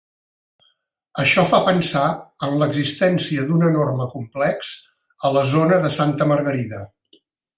Això fa pensar en l'existència d'un enorme complex, a la zona de Santa Margarida.